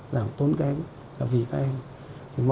giảm tốn kém là vì các em